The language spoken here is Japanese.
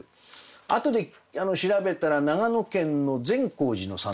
あとで調べたら長野県の善光寺の参道だったと。